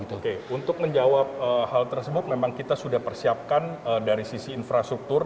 oke untuk menjawab hal tersebut memang kita sudah persiapkan dari sisi infrastruktur